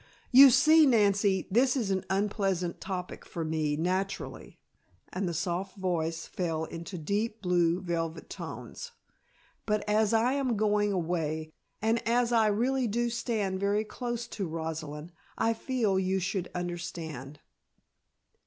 You see, Nancy, this is an unpleasant topic for me, naturally," and the soft voice fell into deep blue velvet tones, "but as I am going away, and as I really do stand very close to Rosalind, I feel you should understand."